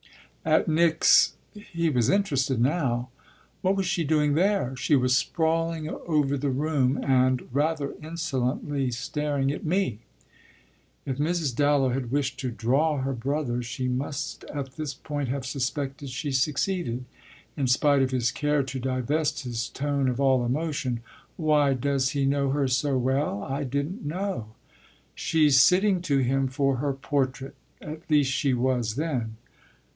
"At Nick's ?" He was interested now. "What was she doing there?" "She was sprawling over the room and rather insolently staring at me." If Mrs. Dallow had wished to "draw" her brother she must at this point have suspected she succeeded, in spite of his care to divest his tone of all emotion. "Why, does he know her so well? I didn't know." "She's sitting to him for her portrait at least she was then."